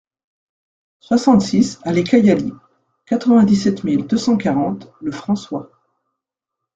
soixante-six allée Kayali, quatre-vingt-dix-sept mille deux cent quarante Le François